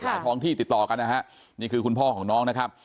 ท้องที่ติดต่อกันนะฮะนี่คือคุณพ่อของน้องนะครับ